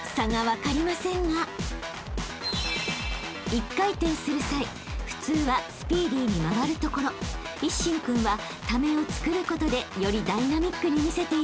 ［一回転する際普通はスピーディーに回るところ一心君はためをつくることでよりダイナミックに見せているんです］